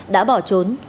đã bỏ trốn